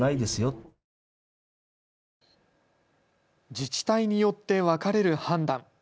自治体によって分かれる判断。